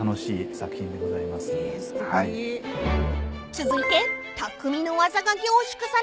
［続いて匠の技が凝縮されているのが］